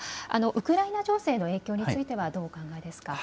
ウクライナ情勢の影響についてはどうお考えですか。